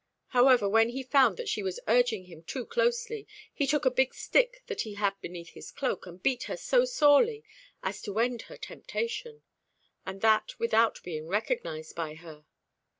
However, when he found that she was urging him too closely, he took a big stick that he had beneath his cloak and beat her so sorely as to end her temptation, and that without being recognised by her.